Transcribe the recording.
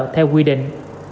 theo quy định